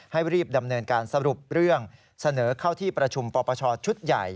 ให้รีบดำเนินการสรุปเรื่องเสนอเข้าที่ประชุมปปชชุดใหญ่